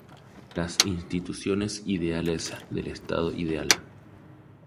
Las instituciones ideales del estado ideal.